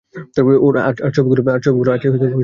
আর ছবিগুলো আছে কেবল নাসার কাছে।